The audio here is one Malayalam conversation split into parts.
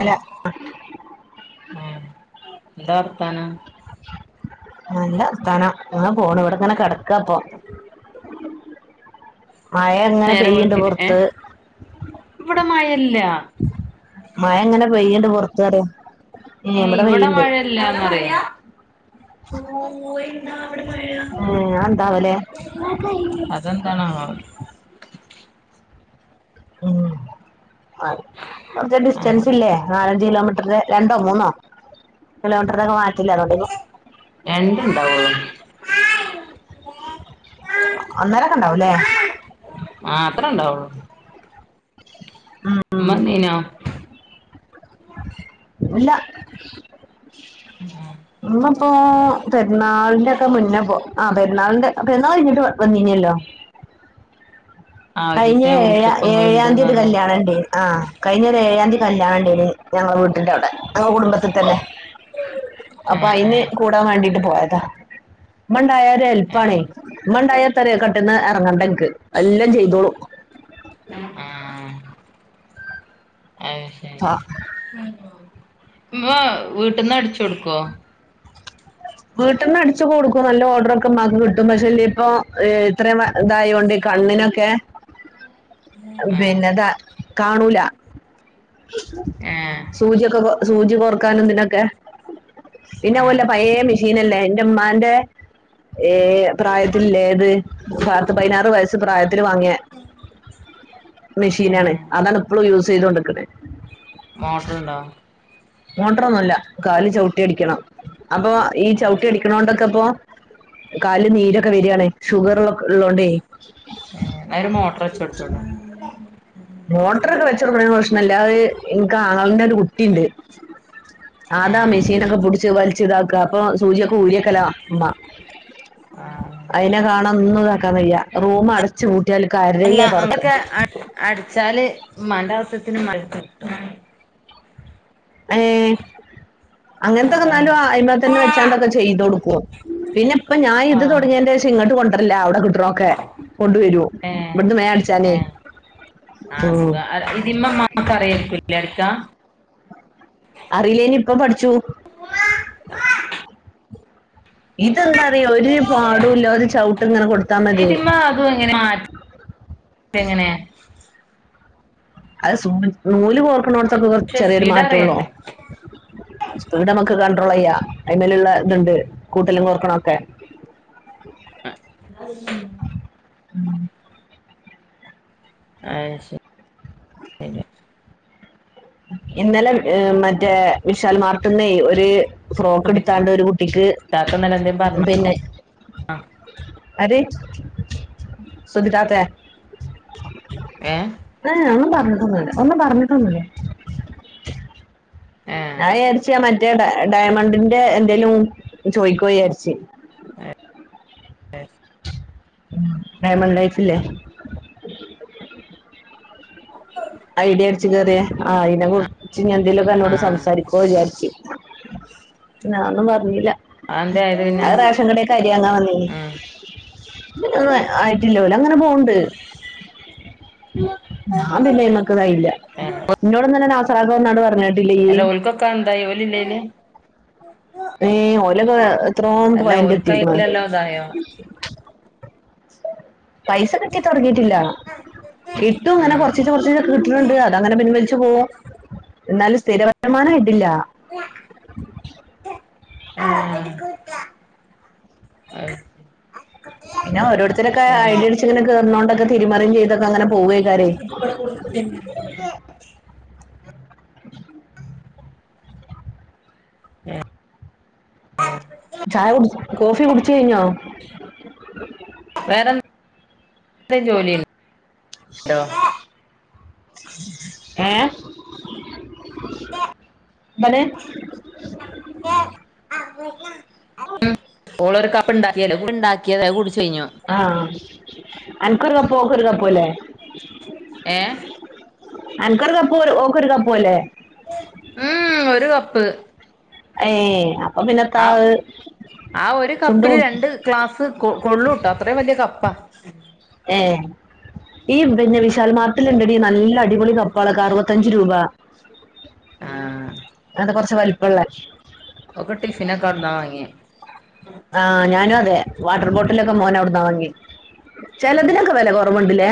അല്ല ആ ദർത്തനം നല്ല സ്ഥനം അ പോണ ഇവിടെങ്ങനെ കിടക്കപ്പൊ മഴ എങ്ങനെ നേരം പെയ്യുണ്ട് പുറത്ത് മല്ലേ മഴ എങ്ങനെ പെയ്യണ്ട് പൊറത്തറ ഏ ഇവിടെ മഴല്ലന്ന്റയാ ഏ അതെന്താവലെ അതെന്തണ ഉം ആ കുറ ഡിസ്റ്റൻസ് ആഹ് ഇല്ലേ നാലഞ്ച് കിലോമീറ്റർ രോ മൂന്നോ കിലോമീറ്റ മാ എണ്ട ഇണ്ടാവ അന്നേരൊക്കെ ഇണ്ടാവല്ലേ ആ അത്ര മമ്മന്നീനാ ഇല്ല ഉ ഇപ്പൊ പെറുന്നാളിന്റെ ഒക്കെ മുന്നേ പോ ആ പെരുന്നാളിന്റെ പെരുന്നാൾ കഞ്ഞിട്ട് വന്നിനല്ലോ ആ കഴിഞ്ഞ ഒരീസം ഞാൻ ഏഴ വിളിച്ചപ്പോ ഇങ്ങള് ഏഴാം ഇണ്ട്ന്ന് തീയതി പറഞ്ഞു കല്യാണ എൻ ആ കഴിഞ്ഞര് ഏഴാം തീയതി അല്ലാണ്ട്രു ഞങ്ങടെ വീട്ടിന്റവിടെ ഞങ്ങടെ കുടുംബത്തിൽ തന്നെ ഏ അപ്പൊ അയി ഏ ന് കൂടാൻ വേണ്ടീട്ട്. പോയതാ മൺ ആയാ ഒരു ഏ ഹെൽപാണെ മ്മണ്ടായാ ത്ര പെട്ടന്ന് ഇറങ്ങണ്ടനിക്ക് എല്ലാം ചെയ് തോളും. ആ അത് ശരി. ആ മ്മ് വീട്ടിന്നടിച്ചു കൊടുക്വോ? വീട്ടന്നടിച്ചു കൊടുക്കും നല്ല ഓർഡർ ഒക്കെമ്മാക്ക് കിട്ടും പക്ഷെ ഇല്ലയിപ്പോ ഇത്രേം വയ ഇതായൊണ്ടീ കണ്ണിനൊക്കെ ആഹ് പിന്നെന്താ കാണൂല. ഏഹ് സൂചിയൊക്കെ സൂചി കൊർ ക്കാനതിനൊക്കെ. പിന്ന ആഹ് ഓലെ പയേ മിഷ് ഷീനല്ലേ എന്റുമ്മാന്റെ ഏ പ്രായത്തില്ലേയത്. പത്ത് പതിനാറ് വയസ്സ് പ്രായത്തില് വാങ്ങിയാ. മെഷീനാണ് ഏഹ് അതാണിപ്പളും യൂസ് ചെയ്തോണ്ടിക്കണെ. മോട്ടറുണ്ടോ? മോട്ടറൊന്നുമില്ല കാല് ചവിട്ടി അടിക്കണം. അപ്പൊ ഈ ചവിട്ടി അടിക്കണോണ്ടൊക്കെപ്പോ കാല് നീരൊക്കെ വര്യാണേ ഷുഗറ് ഉള്ളക്ക് ഉള്ളോണ്ടേ. ഏ എന്ന ഒരു മോട്ടറ് വച്ചു കൊടുത്തൂടേ. മോട്ടറൊക്കെ വെച്ച് കൊടുക്കണതിന് പ്രശ്നില്ല അത് എനക്ക് ആങ്ങളിന്റെ ഒരു കുട്ടിയുണ്ട് അതാ ആഹ് മെഷീനൊക്കെ പിടിച്ച് വലിച്ചിതാക്ക അപ്പൊ സൂചിയൊക്കെ ഊരിയക്കല ഉമ്മ ആഹ് അതിനെ കാണാ തൊന്നും ഇതാക്കാൻവയ്യാ റൂമടച്ചു പൂട് അല്ല അതൊക്കെ അഡ് അടിച്ചാല് ഉമ്മാന്റാവശ്യത്തിന് ഉമ്മാന് കിട്ടും. ഏ അങ്ങനത്തെക്കെ അതാണ് എന്നാലും ആയിന്മേൽ തന്നെ വെച്ചാണ്ടൊക്കെ ചെയ്ത് കൊടുക്കുവോ പിന്നിപ്പം ഞാൻ ഇത് ആഹ് തുടങ്ങിയതിന്റെഷം ഇങ്ങോട്ട് കൊണ്ട അതല്ല [unintelligible] ത്രൊക്കെ കൊണ്ടുവര്വോ ഏഹ് ഇവിടുന്ന് വേം അടിച്ചാലേ ഏഹ് ആഹ് സുഖ ഇതിമ്മെ ഉമ്മാക്ക് അറിയായിരിക്കൂല്ലേ അടിക്കാൻ പഠിച്ചു. ഇതെന്താറിയാ ഒരു ഏഹ് പാടുവില്ല ഒരു ചവിട്ട് ഇങ്ങനെ കൊടുത്താ മതി. ഇതിമ്മെ അതും എങ്ങനെ മാറ്റ എങ്ങനെ അത് [unintelligible] [unintelligible] പക്ഷെ ചെറിയൊരു സ്പീഡ് മാറ്റുള്ളു അറിയണ്ടേ വസ്തു [unintelligible] [unintelligible] ഇതുണ്ട് കൂട്ടലും കൊറക്കണൊക്കെ അ ഉം ആഹ് ശെരിയ ഇന്നലെ ഏ മറ്റേ വിശാൽ മാർട്ട്ന്നെ ഒര് ഫ്രോക്ക് സുബിത്ത എടുത്താണ്ട് ഒരു കുട്ടിക്ക് ഇത്താത്ത ഇന്നലെ എന്തേലും പറഞ്ഞോ പിന്നെ ആര് സുധിതാത്തെ ഏഹ് ആ ഒന്നും പറ [inaudible] ഒന്നും പറഞ്ഞിട്ടൊന്നില്ലേ ഏഹ് അയ് വിചാരിച് മറ്റ് മറ്റേ ഡ ഡയമണ്ടിന്റെ എന്തേലും ചോയിക്കോയി വിചാരിച്ച് ആ ഡയമണ്ടൈസിലെ ഐഡിയ അടിച്ച് കേറിയ ആഹ് അയിനെ കുർ ച്ച് എന്തേലൊക്കെ അന്നോട് ആഹ് സംസാരിക്കുവോ വിചാരിച്ച് നാൻ ഒന്നും പറഞ്ഞീല അതെന്തേ ആയത് പിന്നെ അത് റേഷൻ കടേക് അരി വാങ്ങാൻ വന്നേന് ഒന്ന് ഉം ആയിട്ടില്ലോല് അങ്ങനെ പോ പ്ൾ ഞാൻ പിന്നെ ഇന്ന് ഇല്ല ഏ ഇന്നോടൊന്ന് ആ നാസറാക്കവന്നാണ്ട് പറഞ്ഞ് അല്ല ഓൽക്കൊക്കൊ എന്തായി ഓല് ഇല്ലേയ്ല് ഏ ഓലൊക്കെ എത്രോം അല്ല പോയിന്റ് എത്തീക്ക്ണ് ഓൽക്കയിലെല്ലോ ഇതായോ ശ പൈസ കിട്ടി തുടങ്ങിയിട്ടില്ല കിട്ടും ഇങ്ങനെ ഉം കൊർച്ചിച്ചെകൊർച്ചിച്ചെ കിട്ടണുണ്ട് അതങ്ങനെ പിൻവലി ച്പോ എന്നാലും സ് സ്ഥിര വരുമാനം ആയിട്ടില്ല ആ അത്‌ശരി പിന്നെ ഓരോരുത്തരൊക്കെ ഐഡിയ അടിച്ച് ഇങ്ങനെ കേറുന്നോണ്ട് [unintelligible] തീരുമാനം ചെയ് [inaudible] ഏ ആ ചായ കുടിച്ച് കോഫി കുടച്ച് കഴിഞ്ഞോ വേറെന്ത് ജോലി ണ്ടോ ഏ മലെ ഉം ഓളരു കപ്പ്ണ്ടാക്കിയ ഉണ്ടാക്കിയത കു ആഹ് അൻക്കൊരു കപ്പു ഓൾക്കൊരു കാപ്പു അല്ലേ ഏ അൻക്കൊരു കപ്പു ഓൾക്കൊരു കപ്പു അല്ലെ ഉം ഒരു കപ്പ് ഏ അപ് ആ ആ ഒരു ചുണ്ടു കപ്പില് മുട്ടി. രണ്ട് ഗ്ലാസ് കൊ കൊള്ളുട്ടോ അത്രയും വലിയ കപ്പ് പ്പാ [unintelligible] ഏ ഈ പിന്നെ വിശാൽ മാർ ണ്ടടി നല്ലടിപൊളി കപ്പാൊക്ക അറപത്തഞ്ച് രൂപ ആഹ് അത കുറച്ച് വലിപ്പമുള്ള ഓക്ക് ടിഫിനൊക്കെ അവിടുന്നാ വാങ്ങിയേ ആഹ് ഞാനും അതെ വാട്ടർ ബോട്ട ട്ടിലൊക്കെ മോന അവിടന്ന്ാ വങ്കി ചിലതിനൊക്കെ വില കുറവുണ്ടില്ലേ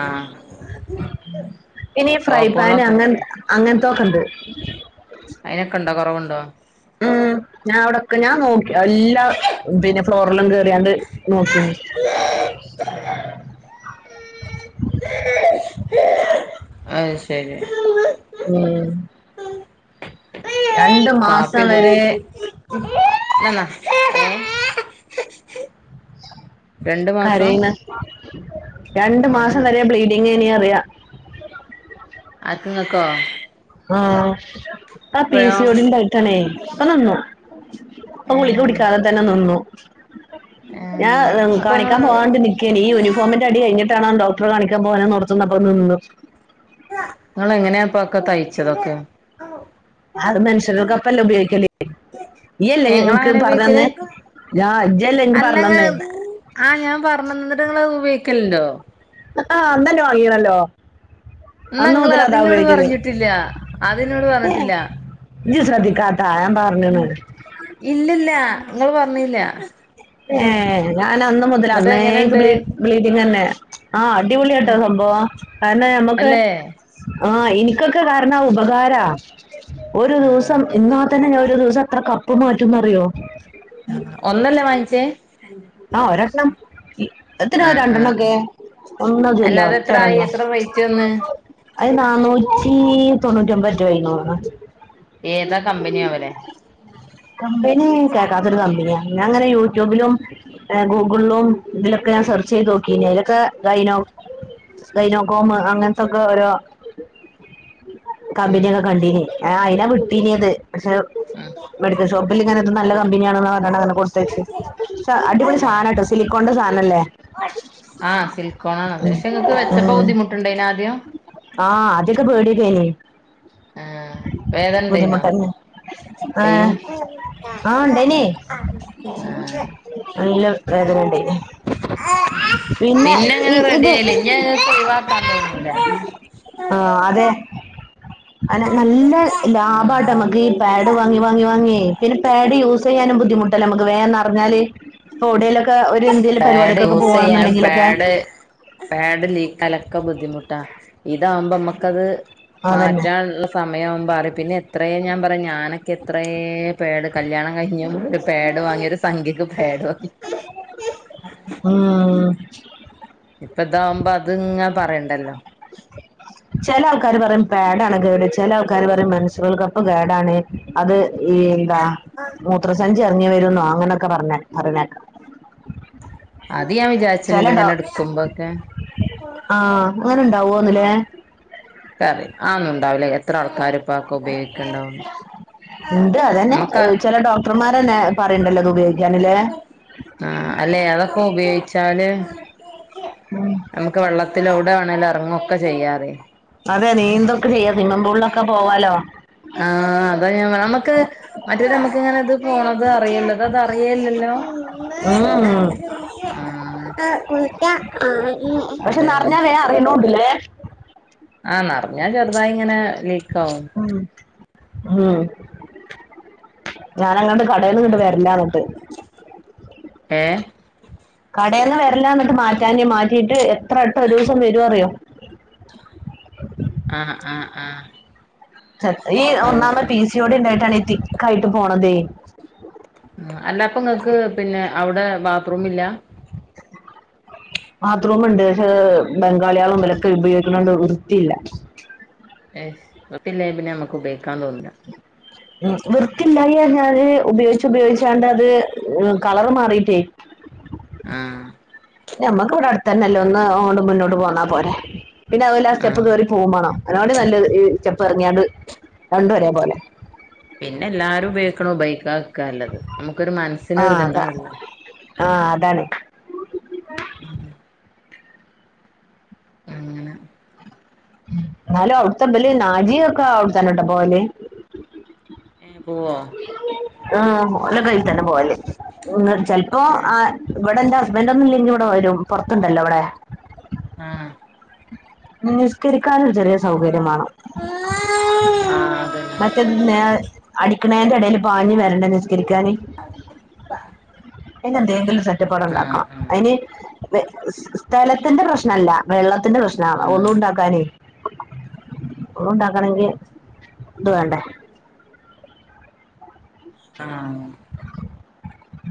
ആഹ് ഇനി ഫ്രൈ പാന് ടോപ്പോളൊക്കെ അങ്ങ അങ്ങനത്തെ സോഖണ്ട് അയിനെക്കണ്ട ടെ കുറവുണ്ടോ ഉ ഞാൻ അവിടെക്കെ ഞാൻ നോക്കി എല്ലാ പിന്നെ ഫ്ലോറിലും കേയറിയാണ്ട് നക്ക അത് ശരി ഉം രണ്ട് കാപ്പി മാസം വരെ കുടുച്ച എന്നന്ന ഉ രണ്ട് മാസം കറയണേ ഉ രണ്ടു ഓന് മാസം തരം പ്ലീഡ ഇങ്ങ ഇന അറിയാം അത്തങ്ങക്കോ ആഹ ആ പീസി യോടി ടും കഴത്തണേ ഇപ്പ നിന്നു പ്പൊ ഗുളിക ഏഹ് കുടിക്കാതെ തന്നെ നിന്നു ഏഹ് ഞാൻ അപ്പൊ കാണിക്കാൻ പോവാണ്ട് നിക്കേണ് ഈ ഇങ്ങള് യൂണിഫോമിന്റെ അടി കഴിഞ്ഞിട്ടാണേന്തോ ഡോക്ടറെ കാണിക്കാൻ പോവാനെന്നോർത്തുന്നപ്പം നിന്ന് ങ്ങളെങ്ങനെയാപ്പ ഒക്കെ തയ്ച്ചതൊക്കെ അത് മെൻഷുറൽകപ്പല്ലെ ഉപയോഗിക്കല് ഈയല്ലെ ഏഹ് ഇൻക്ക് ഇങ്ങളങ്ങനെ ഉപയോഗിക്കല് പറഞ്ഞന്നെ ഞാ ഇജ്ജല്ലേൻക്ക് അല്ല പറഞ്ഞന്നേ ഇങ്ങള് ക്കല്ണ്ടോ ആഹ് അന്നന്നെ വാങ്ങിയേണല്ലോ ന്നാ ങ്ങള് അതിന്നോട് പറഞ്ഞിട്ടില്ലാ അതിന്നോട് പറഞ്ഞിട്ടില്ല ഇജ്ജ് ശ്രദ്ധിക്കാത്ത ഞാൻ പറഞ്ഞത് ഇല്ലില്ല ങ്ങള് പറഞ്ഞില്ല ഏഹ് ന്നിട്ട് ഞാനന്ന് മുതല അന്നേ എങ്ങനെണ്ട് ബ്ലീഡ് ബ്ലീഡിങന്നെ ആഹ് ആ അടിപൊളിയാട്ടോ സംഭവം കാരണം ഞമ്മക്ക് അല്ലേ ആഹ് ഇനിക്കൊക്കെ കാരണം ഉപകാരാ ഒരു ആ ദിവസം ഇന്നാ തന്നെ ഞാ ഒരു ദിവസ എത്ര കപ്പ് മാറ്റുംന്നറിയോ ഒന്നല്ലേ വാങ്ങിച്ചേ ആഹ് ഒരെണ്ണം ഇ എത്ത്നാ ആ ആ ആ രണ്ടെണ്ണൊക്കെ അല്ല ഒന്നതിയല്ലോ അതെത്രായി ഒറ്റൊരെണ്ണം എത്ര റേറ്റ് വന്ന് അത് നന്നൂറ്റി തൊണ്ണൂറ്റൊമ്പതെറ്റോ ആയിന്നോന്നണ് ഏതാ കമ്പനിയാവലെ കമ്പിനീ കേക്കാത്തൊരു കമ്പിനിയാ പിന്നങ്ങനെ യൂട്യൂബിലും ഗൂഗിളിലും ഇതിലൊക്കെ ഞാൻ സെർച്ച് ചെയ്ത് നോക്കീനി അയിലൊക്കെ ഗൈനോ ഗൈനോകോം അങ്ങനത്തൊക്കെ ഓരോ ഉം കമ്പിനിയൊക്കെ കണ്ടീന് ആ അയിനാ വിട്ടീനിയത് പക്ഷെ ഉം മെഡിക്കൽ ഷോപ്പിൽ ഇങ്ങനെത് നല്ല കമ്പനിയാണന്ന് പറഞ്ഞാണങ്ങനെ കൊടുത്തയച്ച് അടിപൊളി സാനംട്ടോ സിലിക്കോന്റെ സാ അല്ലേ ആഹ് സിൽക്കോൺ ആണ് പക്ഷെ നിങ്ങക്ക് വെച്ചപ്പോ ഉം ബുദ്ധിമുട്ടെണ്ടായിന ആദ്യം ആഹ് [unintelligible] ആഹ് വേദനെണ്ടയിന്നോ ബുദ്ധിമുട്ടന്നെ പെയിൻ ഏഹ് ആഹ് ഇണ്ടേനി ആഹ് നല്ല വേദനണ്ടായി പിന്നെ ഈ അങ്ങനെ റെഡി ഇത് ആയില്ല ഇനി ഞങ്ങൾക്ക് ഒഴിവാക്കാൻ തോന്നൂല ആഹ് അതെ അനെ നല്ല ആ ലാഭാട്ട മ്മക്കീ പാഡ് വാങ്ങി വാങ്ങി വാങ്ങിയെ പിന്നെ പാഡ് യൂസ് ചെയ്യാനും ബുദ്ധിമുട്ടല്ലേ മക്ക് വേഗം നേറഞ്ഞാല് പാഡ് യൂസ് ചെയ്യാൻ പോവാണെന്നുണ്ടെങ്കിലൊക്കെ പാഡ് പാഡ് ലീക്കാലൊക്കെ ബുദ്ധിമുട്ടാ ഇതാകുമ്പോ മക്കത് അതന്നെ മാറ്റാനുള്ള സമയം പിന്നെ എത്രയയും ഞാൻ പറയാ ഞാനൊക്കെ ത്രയെ പേട് കല്യാണം കഴിഞ്ഞ ഒരു പേഡ് വാങ്ങി ഒരു സംഖ്യക്ക് പേഡ് വാങ്ങി ഉം ഉം ഇപ്പ ഇതാവുമ്പോ അത് ഇങ്ങ പറയണ്ടല്ലോ ചെലാ ആള് ക്കാര് പറയും പാടാണ് കേട് ചില കാര് പറയും മെൻസുറൽ കപ്പ് കേടആണ് അത് ഈ എന്താ മൂത്രസഞ്ചിറങ്ങി വരുന്ന ആ അങ്ങനെയൊക്കെ പറഞ്ഞ പറയുന്ന കേൾക്കാം അത് ഞാൻ വിചാരിച്ചിട്ടുണ്ട് ഇങ്ങനെ ചിലരുണ്ടാവും എടുക്കുമ്പോക്കെ ആ അങ്ങനെ ഇണ്ടാവോന്നില്ലേ കറി ആ ഒന്നും ഉണ്ടാവില്ല എത്ര ആൾക്കാരും അതൊക്കെ ഉപയോഗിക്കുന്നുണ്ടാവും ഉണ്ട് അതന്നെ നമ്മക്ക് ഏഹ് ചില ഡോക്ടർമാരന്നെ പറയണ്ടല്ലോ ഇത് ഉപയോഗിക്കാനില്ലേ അല്ല അതൊക്കെ ഉപയോഗിച്ചാല് നമ്മക്ക് വെള്ളത്തില് ഓ എവിടെ വേണേലും ഇറങ്ങുവൊക്കെ ചെയ്യാവേ അതെ നീന്തൊക്കെ ചെയ്യാ സ്വിമ്മിംഗ് പൂളിലൊക്കെ പോവാലോ ആ അതാ ഞാൻ പറഞ്ഞേ നമ്മുക്ക് മറ്റേത് നമ്മുക്ക് ഇങ്ങനെ ഇത് പോണത് അറിയണ്ടത് അത് അറിയേ ഇല്ലല്ലോ ഉം പക്ഷെ അതന്നെ നിറഞ്ഞാ വേഗം അറിയണോണ്ടില്ലേ ആ നറഞ്ഞാൽ ചെറുതായി ഇങ്ങനെ ലീ ഉം ഉം ഞാൻ അങ്ങോട്ട് കടേൽന്ന് ഇങ്ങട്ട് വരണ്ടാറഞ്ഞിട്ട് ഏ കടേന്ന് വര്ല്ലാന്നിട്ട് മാറ്റാന് മാറ്റീട്ട് എത്രട്ടം ഒരൂസം വരോറിയോ ആ ആ ആ ഈ ഒന്നാമത് പി സിയോടീ ഉണ്ടായിട്ടാണ് ഈ ത തിക്കായിട്ട് പോണത് ഉം അല്ലപ്പങ്ങൾക്ക് പിന്നെ അവിടെ ബാത്ത് റൂമ് ഇല്ലാ ബാത്രൂമ്ണ്ട് പക്ഷേ ബംഗാളിആളും വിലക്കെ ഉപയോഗിക്കണോണ്ട് വൃത്തിയില്ല എയ്ഷ് വൃത്തിയില്ലേൽ പിന്നെ നമ്മുക്ക് ഉപയോഗി ക്കാൻ തോന്നുല്ലാ ഇല്ലായി പറഞ്ഞാല് ഉപയോഗിച്ച് ഉപയോഗിച്ചാണ്ട് അത് കളറ് മാറിയിട്ടേ ആഹ് ഞമ്മക്ക് ഇവിടെ അടുത്തന്നെല്ലേ ഒന്ന് ഓണ്ട് മുന്നോട്ട് പോന്നാ പോരെ പിന്നെതല്ല ആഹ് സ്റ്റെപ്പ്കേറി പോകും മാണം അതിനേക്കാട്ടിം നല്ലത് ഈ ചെപ്പ് ഇറങ്ങിയാണ്ട് രണ്ടു ഒരേ പോലെ പിന്നെ എല്ലാരും ഉപയോഗിക്കണത് ഉപയോഗിക്കാതെരിക്കാ ക്കാല്ലത് നമുക്കൊരു ആ അതാ മനസ്സിനൊരിത്ണ്ടാവല്ലോ ആ അതാണ് ഉം എന്നാലും അവിടുത്തബല് നാജിയ ഒക്കെ അവിടത്തന്നട്ടോ പോവല് ഏഹ് ഉവ്വോ ആഹ് [unintelligible] പോകല് ഉം ചെലപ്പോ ഏഹ് ആ ഇവിടെന്താ [unintelligible] ഇവടെ വരും പൊറത്തൊണ്ടല്ലോ ഇവടെ ആഹ് [unintelligible] നിക്കരിക്കാനൊരു ചെറിയ ആഹ് സൗകര്യമാണം അതന്നെ മറ്റേത് നേ അടിക്കണേന്റെ എടെല് പാഞ്ഞു വരണ്ടേ നിസ്കരിക്കാന് പിന്നെന്തേങ്കില കുറ്റപ്പാട് ആഹ് ഒണ്ടാക്കണം. ആഹ് അയിന് സ്ഥലത്തിന്റെ പ്രശ്നല്ല. വെള്ളത്തിന്റെ ഒന്നും ആഹ് ഉണ്ടാക്കാനേ ഒണ്ടാക്കണെങ്കി ഇത് വേണ്ടേ. ആഹ് ആ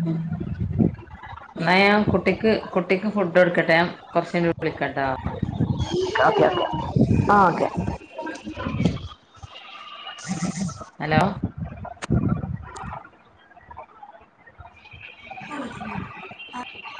[unintelligible] എന്നാ ഞാ കുട്ടിക്ക് കുട്ടിക്ക് ഫുഡ് ടുക്കട്ടെ ഞാൻ കുറച്ചഴിഞ്ഞു വിളിക്കട്ടാ. ഓക്ക ഓക്കെ ആ ഓക്കെ. ഹലോ [inaudible] [unintelligible]